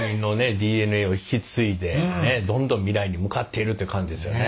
ＤＮＡを引き継いでどんどん未来に向かっているという感じですよね。